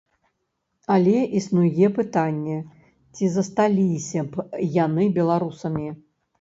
Але існуе пытанне, ці засталіся б яны беларусамі?